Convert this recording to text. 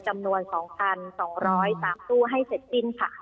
จำนวน๒๒๐๓ตู้ให้เสร็จสิ้นค่ะ